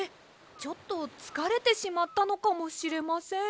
ちょっとつかれてしまったのかもしれません。